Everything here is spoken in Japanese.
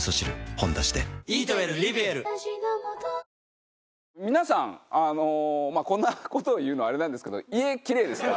「ほんだし」で皆さんあのこんな事を言うのはあれなんですけど家キレイですか？